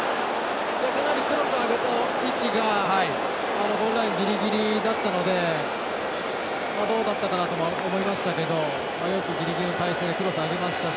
クロスを上げた位置がゴールラインぎりぎりだったのでどうだったかなと思いましたけどよくぎりぎりの体勢でクロスを上げましたし